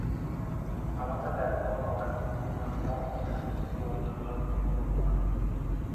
আমাদের লেখক ও প্রকাশকদের জন্য এটা সত্যিই বড় দুর্ভাগ্য ও অপমানের।